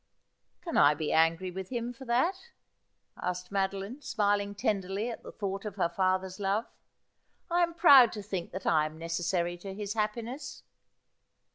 ' Can I be angry with him for that ?' asked Madoline, smiling tenderly at the thought of her father's love. ' I am proud to think that I am necessary to his happiness.'